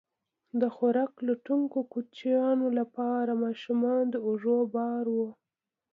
د خوراک لټونکو کوچیانو لپاره ماشومان د اوږو بار وو.